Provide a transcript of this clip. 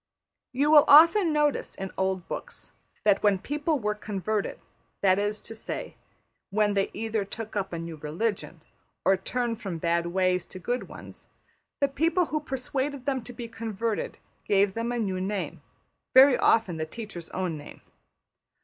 You will often notice in old books that when people were converted, that is to say, when they either took up a new religion or turned from bad ways to good ones, the people who persuaded them to be converted gave them a new name, very often the teacher's own name.